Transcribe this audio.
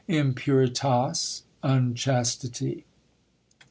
"Impuritas" (Unchastity).